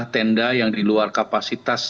tenda yang di luar kapasitas